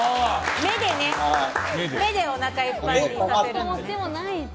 目でおなかいっぱいにさせる。